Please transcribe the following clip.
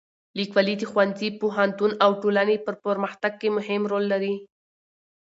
لیکوالی د ښوونځي، پوهنتون او ټولنې په پرمختګ کې مهم رول لري.